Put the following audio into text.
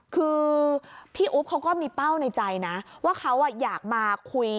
คือพี่อุ๊บเขาก็มีเป้าในใจนะว่าเขาอยากมาคุย